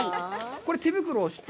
これ、手袋をして。